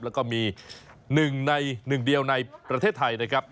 แล้วก็มีหนึ่งในหนึ่งเดียวในประเทศไทยนะครับ